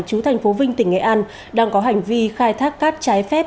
chú thành phố vinh tỉnh nghệ an đang có hành vi khai thác cát trái phép